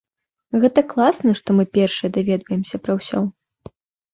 Гэта класна, што мы першыя даведваемся пра ўсё.